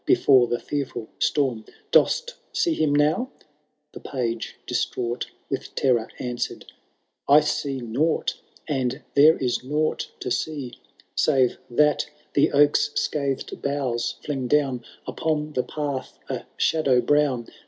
Before the fearfol storm, — Dost see him now ? "—The Page, distraught With terror, answer'd, I see nought. And there is nought to see, Save that the oak's scathed boughs fiing down Upon the path a shadow brown.